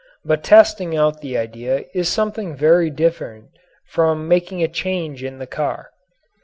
But testing out the idea is something very different from making a change in the car.